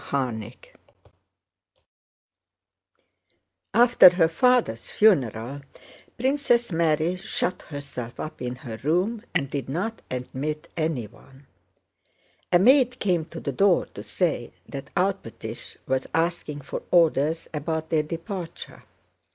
CHAPTER X After her father's funeral Princess Mary shut herself up in her room and did not admit anyone. A maid came to the door to say that Alpátych was asking for orders about their departure.